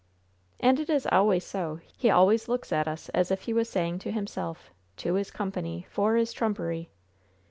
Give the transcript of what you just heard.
"And it is always so. He always looks at us as if he was saying to himself: "'Two is company, Four is trumpery.'